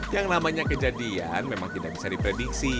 yang namanya kejadian memang tidak bisa diprediksi